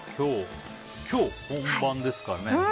今日本番ですからね。